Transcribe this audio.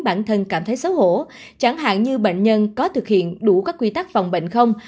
bản thân cảm thấy xấu hổ chẳng hạn như bệnh nhân có thực hiện đủ các quy tắc phòng bệnh không